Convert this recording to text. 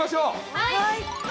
はい！